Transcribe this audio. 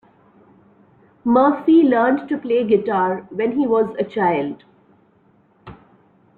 Murphy learned to play guitar when he was a child.